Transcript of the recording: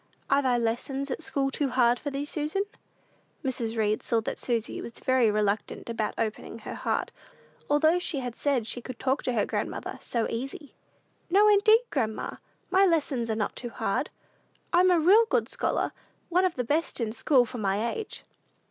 "Are thy lessons at school too hard for thee, Susan?" Mrs. Read saw that Susy was very reluctant about opening her heart, although she had said she could talk to her grandmother "so easy." "No, indeed, grandma; my lessons are not too hard. I'm a real good scholar one of the best in school for my age."